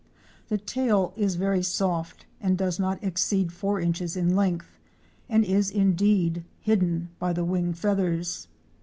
The tail is very soft and does not exceed four inches in length and is indeed hidden by the wing feathers.